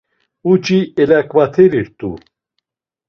Uci elaǩvaterirt̆u.